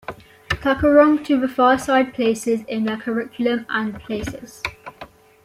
Tacurong to the far side places in their curriculums and places.